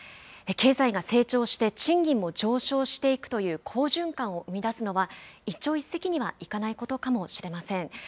経済が成長して賃金も上昇していくという好循環を生み出すのは、一朝一夕にはいかないことかもしれません。